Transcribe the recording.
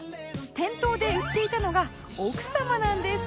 店頭で売っていたのが奥様なんです